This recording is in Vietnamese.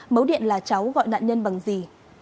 mấu điện là cháu gọi nạn nhân bằng gì